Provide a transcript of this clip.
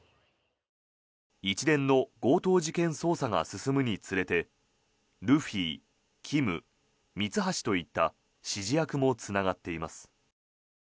一連の強盗事件捜査が進むにつれてルフィ、キム、ミツハシといった指示役もつながっています。